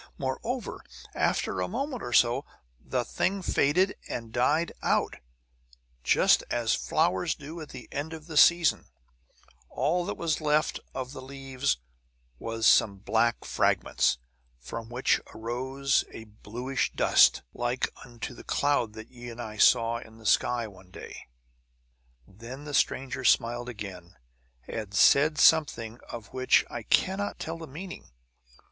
Moreover, after a moment or so, the thing faded and died out, just as flowers do at the end of the season; all that was left of the leaves was some black fragments, from which arose a bluish dust, like unto the cloud that ye and I saw in the sky one day. "Then the stranger smiled again, and said something of which I cannot tell the meaning.